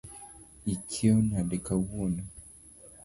Ichiew nade kawuono.